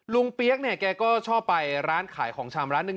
ลุงเปี๊ยกแก่ก็ชอบไปร้านขายของชามร้านหนึ่ง